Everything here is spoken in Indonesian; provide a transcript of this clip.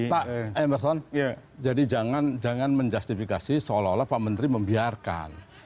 pak emerson jadi jangan menjustifikasi seolah olah pak menteri membiarkan